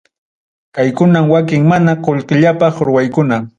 Kaykunam wakin mana qullqillapaq ruwaykuna.